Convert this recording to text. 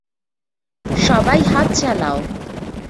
সবাই হাত চালাও।